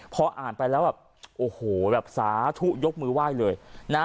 พออ่านไปแล้วแบบโอ้โหแบบสาธุยกมือไหว้เลยนะ